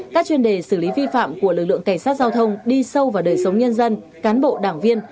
các chuyên đề xử lý vi phạm của lực lượng cảnh sát giao thông đi sâu vào đời sống nhân dân cán bộ đảng viên